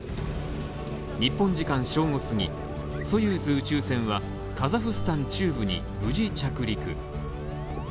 日本正午過ぎソユーズ宇宙船はカザフスタン中部に無事着陸。